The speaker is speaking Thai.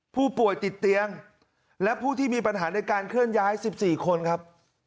ผู้ป่วยติดเตียงและผู้ที่มีปัญหาในการเคลื่อนย้าย๑๔คนครับ